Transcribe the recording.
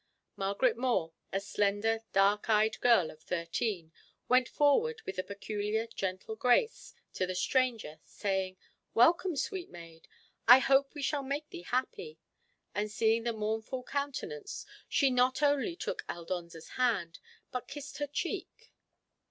Margaret More, a slender, dark eyed girl of thirteen, went forward with a peculiar gentle grace to the stranger, saying, "Welcome, sweet maid! I hope we shall make thee happy," and seeing the mournful countenance, she not only took Aldonza's hand, but kissed her cheek.